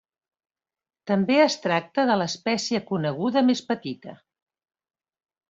També es tracta de l'espècie coneguda més petita.